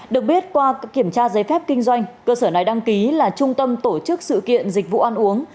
được biết qua kiểm tra giấy phép kinh doanh cơ sở này đăng ký là trung tâm tổ chức sự kiện dịch vụ ăn uống